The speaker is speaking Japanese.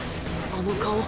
あの顔